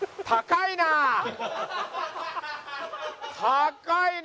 高いな！